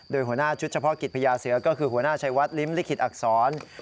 โดยหัวหน้าชุดเฉพาะกิจพญาเสือก็คือหัวหน้าชัยวัดลิ้มลิขิตอักษร